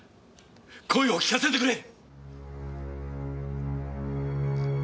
声を聞かせてくれ！